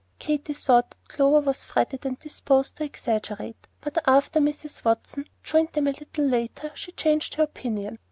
Katy thought that Clover was fretted and disposed to exaggerate; but after Mrs. Watson joined them a little later, she changed her opinion.